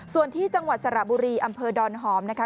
ส่วนที่จังหวัดสระบุรีอำเภอดอนหอมนะคะ